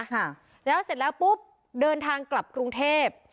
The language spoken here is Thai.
ค่ะแล้วเสร็จแล้วปุ๊บเดินทางกลับกรุงเทพ